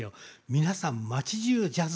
皆さん町じゅうジャズ。